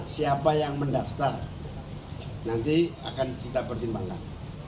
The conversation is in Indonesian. siapa yang mendaftar nanti akan kita pertimbangkan